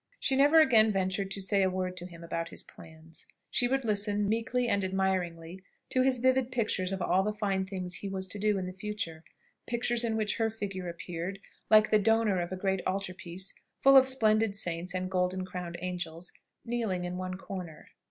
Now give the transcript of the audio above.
She never again ventured to say a word to him about his plans. She would listen, meekly and admiringly, to his vivid pictures of all the fine things he was to do in the future: pictures in which her figure appeared like the donor of a great altarpiece, full of splendid saints and golden crowned angels kneeling in one corner.